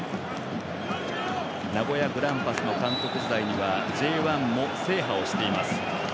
名古屋グランパスの監督時代にはＪ１も制覇をしています。